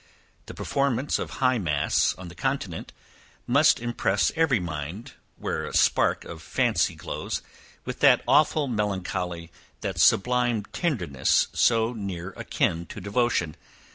The performance of high mass on the continent must impress every mind, where a spark of fancy glows, with that awful melancholy, that sublime tenderness, so near a kin to devotion.